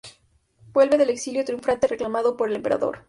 Vuelve del exilio triunfante reclamado por el Emperador.